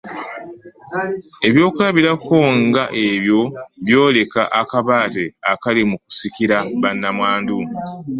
Ebyokulabirako nga: ebyo byoleka akabaate akali mu kusikira bannamwandu.